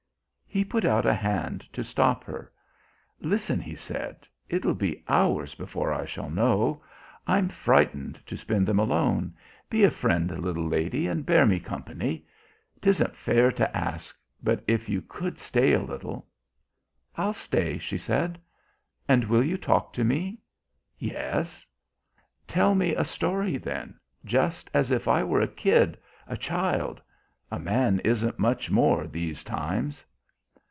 He put out a hand to stop her. "Listen," he said. "It'll be hours before I shall know. I'm frightened to spend them alone. Be a friend, little lady, and bear me company. 'Tisn't fair to ask, but if you could stay a little." "I'll stay," she said. "And will you talk to me?" "Yes." "Tell me a story then just as if I were a kid, a child. A man isn't much more these times."